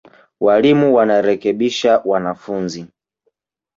Walimu wanarekebisha wanafunzi